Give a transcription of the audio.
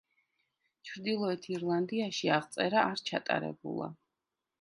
ჩრდილოეთ ირლანდიაში აღწერა არ ჩატარებულა.